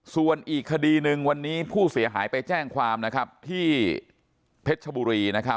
ส่วนอีกคดีหนึ่งวันนี้ผู้เสียหายไปแจ้งความที่เพชรชบุรี